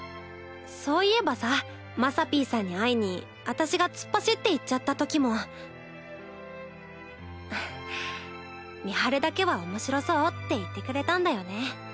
そういえばさまさぴーさんに会いに私が突っ走って行っちゃったときもふっ美晴だけは面白そうって言ってくれたんだよね。